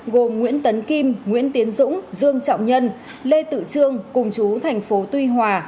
gồm nguyễn tấn kim nguyễn tiến dũng dương trọng nhân lê tự trương cùng chú thành phố tuy hòa